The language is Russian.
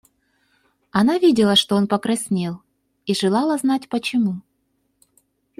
Она видела, что он покраснел, и желала знать, почему.